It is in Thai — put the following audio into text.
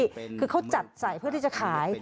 เป็นเกณฑ์นี่คือเขาจัดใสเพื่อที่จะขาย